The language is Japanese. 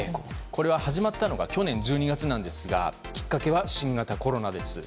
これが始まったのは去年１２月なんですがきっかけは新型コロナです。